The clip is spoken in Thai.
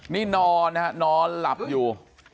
นี่นอนนะฮะนอนหลับอยู่